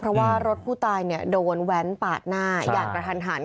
เพราะว่ารถผู้ตายโดนแว้นปาดหน้าอย่างกระทันหัน